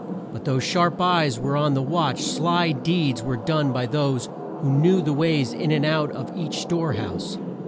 But though sharp eyes were on the watch, sly deeds were done by those who knew the ways in and out of each store house.